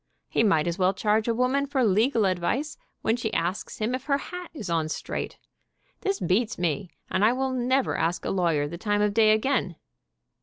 He might as well charge a woman for legal advice when she asks him if her hat is on straight. This beats me, and I never will ask a lawyer the time of day, again.